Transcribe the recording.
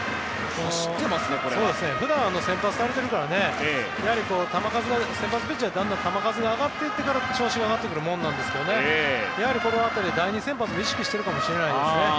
普段先発されているから先発ピッチャーはだんだん球数が上がってから調子が上がっていくものですがやはりこの辺り第２先発を意識してるかもしれませんね。